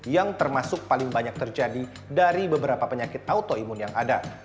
yang termasuk paling banyak terjadi dari beberapa penyakit autoimun yang ada